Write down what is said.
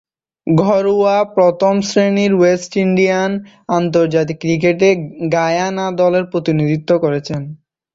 ঘরোয়া প্রথম-শ্রেণীর west Indian আন্তর্জাতিক ক্রিকেটে গায়ানা দলের প্রতিনিধিত্ব করছেন।